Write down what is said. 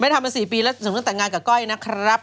ไม่ทำมา๔ปีและสนุนกับตัญญากับก้อยนะครับ